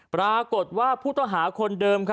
ปรากฏว่าผู้ต้องหาคนเดิม